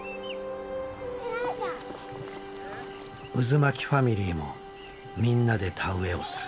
うずまきファミリーもみんなで田植えをする。